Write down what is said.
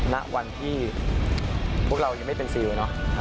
ณวันที่พวกเรายังไม่เป็นซีลเลยเนอะ